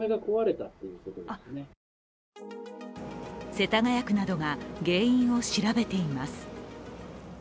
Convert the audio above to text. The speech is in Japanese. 世田谷区などが原因を調べています。